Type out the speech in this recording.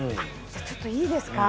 じゃちょっといいですか？